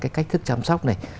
cách thức chăm sóc này